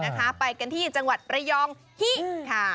นะคะไปกันที่จังหวัดระยองฮิค่ะ